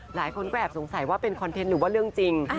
หลายคนก็แอบสงสัยว่าเป็นคอนเทนต์หรือว่าเรื่องจริง